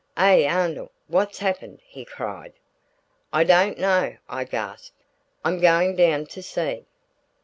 "Eh, Arnold, what's happened?" he cried. "I don't know," I gasped, "I'm going down to see."